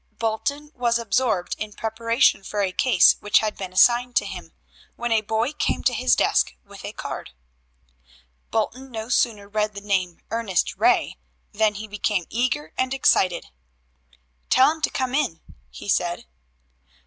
Bolton was absorbed in preparation for a case which had been assigned to him, when a boy came to his desk with a card. Bolton no sooner read the name, "Ernest Ray," than he became eager and excited. "Tell him to come in," he said.